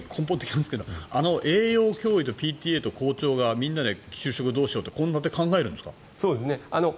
すごい根本なんですけど栄養教諭とＰＴＡと校長がみんなで給食どうしようって考えるんですか？